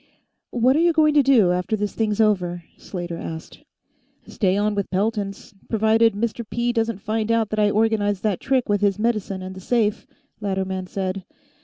"What are you going to do, after this thing's over?" Slater asked. "Stay on with Pelton's, provided Mr. P. doesn't find out that I organized that trick with his medicine and the safe," Latterman said.